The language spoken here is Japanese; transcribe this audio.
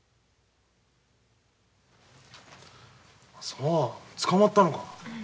そう捕まったのか。